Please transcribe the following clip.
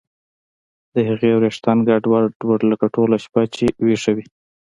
د هغې ویښتان ګډوډ وو لکه ټوله شپه چې ویښه وي